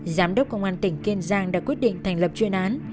giám đốc công an tỉnh kiên giang đã quyết định thành lập chuyên án